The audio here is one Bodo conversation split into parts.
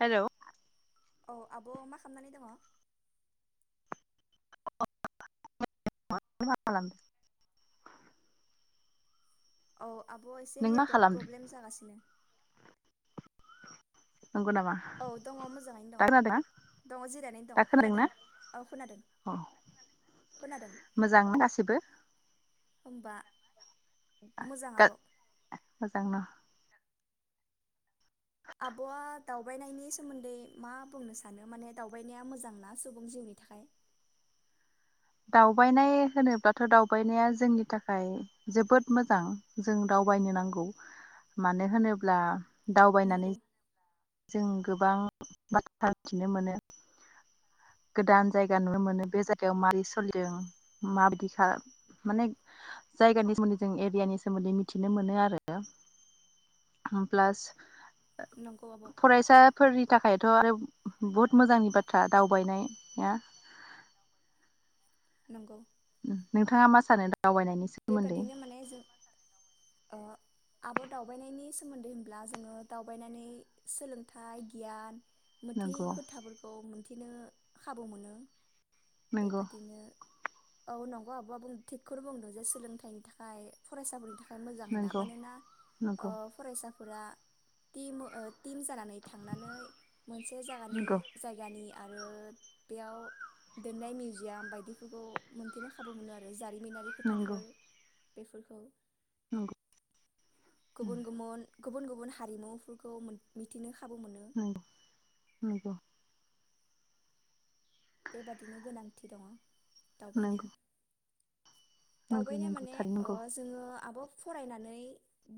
हेलौ औ आब' मा खालामनानै दङ मा खालामदों? औ आब' एसे नों मा नेटवार्क खालामदों प्रब्लेम जागासिनो नंगौ नामा औ दङ मोजाङैनो दा दङ खोनादों दङ जिरायनायनो दङ दा खोनादोंना खोनादों औ खोनादों औ खोनादों मोजांना गासिबो होनबा। मोजा आब' मोजां न आब'आ दावबायनायनि सोमोन्दै मा बुंनो सानो माने दावबायनाया मोजांना सुबुं जिउनि थाखाय? दावबायनाय होनोब्लाथ' दावबायनाया जोंनि थाखाय जोबोद मोजां जों दावबायनो नांगौ मानो होनोब्ला नंगौ दावबायनानै जों गोबां बाथ्रा मिथिनो मोनो गोदान जायगा नुनो मोनो बे जायगायाव माबदि सोलिदों माबायदिखा माने जायगानि सोमोन्दै जों एरियानि सोमोन्दै मिथिनो मोनो आरो प्लास नंगौ आब' फरायसाफोरनि थाखाय थ' आरो बुहुत मोजांनि बाथ्रा दावबायनाया नंगौ नोंथाङा मा सानो दा दावबायनायनि सोमोन्दै बेबादिनो माने जों आब' दावबायनायनि सोमोन्दै होनब्ला जोङो दावबायनानै सोलोंथाइ गियान मोथै नंगौ खोथाफोरखौ बिदिनो खाबु मोनो नंगौ बेबायादिनो औ नंगौ आब'आ बुं थिगखौनो बुंदों जे सोलोंथाइनि थाखाय फरायसाफोरनि था थाखाय मोजां होनना नंगौ मानोना नंगौ फरायसा फुरा टिम ओ टिम जानानै थांनानै मोनसे जागानि नंगौ जायगानि आरो बेयाव दोननाय मिउजियाम बायदिफोरखौ मोनथेनो खाबु मोनो आरो जारिमिनारि नंगौ खोथाफोर बेफोरखौ नंगौ गुबुन गुबुन गुबुन गुबुन हारिमुफोरखौ मिथिनो खाबु मोनो उम नंगौ थि दंङ दावबायनाया नंगौ नंगौ दावबायनाया नंगौ माने थारै नंगौ जोङो आब' फरायनानै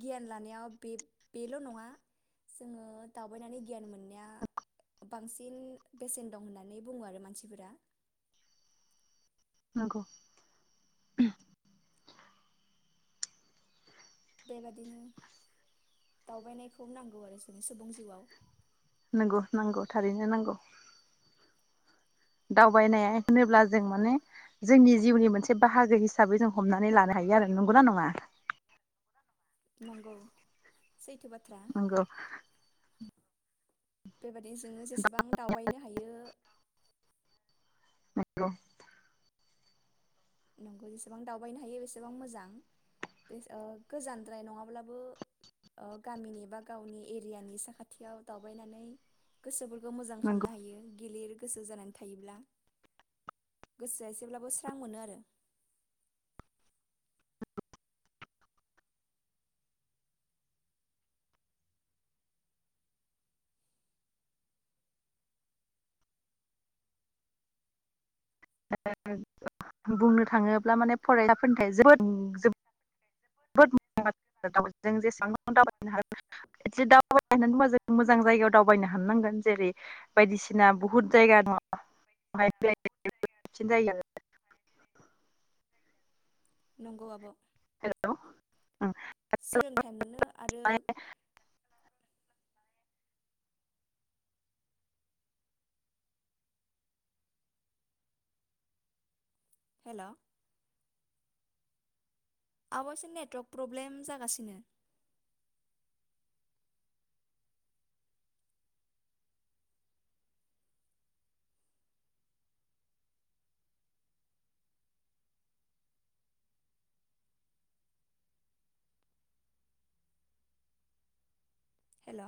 गियान लानायाव बे बेल' नङा जोङो दावबायनानै गियान मोननो बांसिन बेसेन दं होननानै बुङो आरो मानसि फोरा नंगौ बेबादिनो दावबायनायखौ नांगौ आरो जोंनि सुबुं जिउआव नंगौ नंगौ थारैनो नंगौ दावबायनाया होनोब्ला जों माने जोंनि जिउनि मोनसे बाहागो हिसाबै जों हमनानै लानो हायो आरो नंगौना नङा नंगौ सैथो बाथ्रा नंगौ बेबायदि जोङो जेसेबां दावबायनो हायो नंगौ नंगौ जेसेबां दावबायनो हायो बेसेबां मोजां बे ओ गोजानद्राय नङाब्लाबो ओ गामिनि बा गावनि एरियानि साखाथियाव दावबायनानै गोसो फोर खौ मोजां नंगौ खालामनो हायो गिलिर गोसो जानानै थायोब्ला गोसोआ एसेब्लाबो स्रां मोनो आरो [unintelligible] बुंनो थाङोब्ला माने फरायसा [unintelligible] [inaudible] मोजां जायगायाव दावबायनो हानो नांगोन जेरै बायदिसिना बुहुद जायगा [inaudible] [unintelligible] नंगौ आब' हेलौ सोलोंथाइ मोनो आरो हेल' आब' एसे नेटवारक प्रब्लेम जागासिनो। हेल'